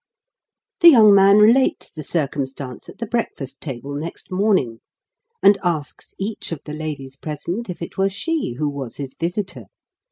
The young man relates the circumstance at the breakfast table next morning, and asks each of the ladies present if it were she who was his visitor.